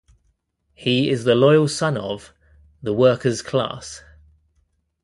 He is the loyal son of... the workers' class.